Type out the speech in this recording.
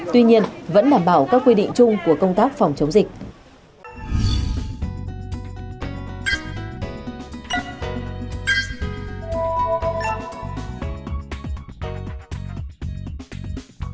tuy nhiên vẫn đảm bảo các quy định chung của công tác phòng chống dịch